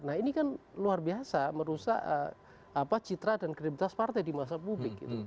nah ini kan luar biasa merusak citra dan kredibilitas partai di masa publik